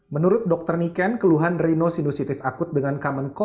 menurut dokter niken keluhan rhinosinusitis akut dengan kamenkul